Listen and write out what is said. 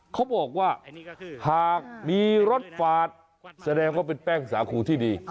เขาบอกว่าหากมีรสฝาดแสดงว่าเป็นแป้งสาคูที่ดี